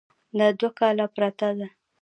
دا دوه کاله پرته ده.